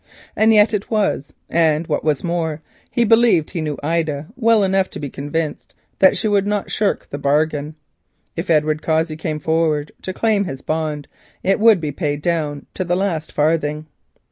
And yet it was, and what was more, he believed he knew Ida well enough to be convinced that she would not shirk the bargain. If Edward Cossey came forward to claim his bond it would be paid down to the last farthing.